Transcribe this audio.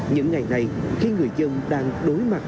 những ngày này khi người dân đang đối mặt